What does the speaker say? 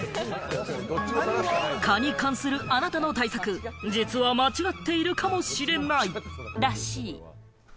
蚊に関するあなたの対策、実は間違っているかもしれないらしい。